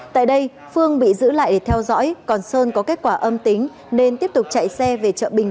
tại đây phương bị giữ lại theo dõi còn sơn có kết quả âm tính nên tiếp tục chạy xe về chợ bình